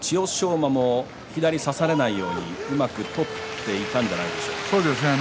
馬も左、差されないようにうまく取っていたんじゃそうですね。